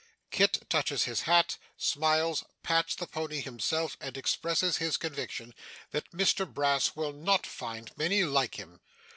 Kit touches his hat, smiles, pats the pony himself, and expresses his conviction, 'that Mr Brass will not find many like him.